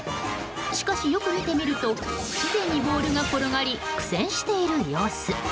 しかし、よく見てみると不自然にボールが転がり苦戦している様子。